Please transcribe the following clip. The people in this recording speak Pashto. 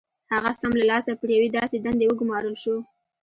هغه سم له لاسه پر یوې داسې دندې وګومارل شو